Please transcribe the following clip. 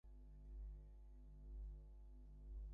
মধুরের মাঝখানে একটা কঠিনকে রাখবার জন্যে।